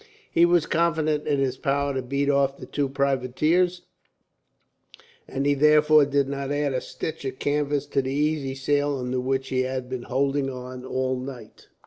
He was confident in his power to beat off the two privateers, and he therefore did not add a stitch of canvas to the easy sail under which he had been holding on all night.